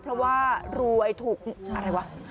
เพราะว่ารวยถูกอะไรวะ